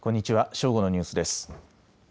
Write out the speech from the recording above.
正午のニュースです。